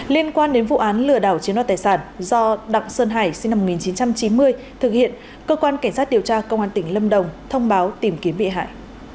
liên quan đến vụ án lừa đảo chiếm đoạt tài sản do đặng sơn hải sinh năm một nghìn chín trăm chín mươi thực hiện cơ quan cảnh sát điều tra công an tỉnh lâm đồng thông báo tìm kiếm bị hại